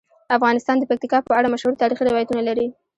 افغانستان د پکتیکا په اړه مشهور تاریخی روایتونه لري.